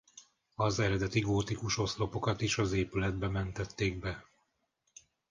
Az eredeti gótikus oszlopokat is az épületbe mentették be.